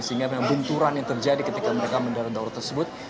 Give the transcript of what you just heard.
sehingga memang bunturan yang terjadi ketika mereka mendarat daur tersebut